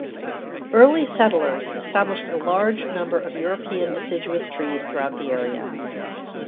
Early settlers established a large number of European deciduous trees throughout the area.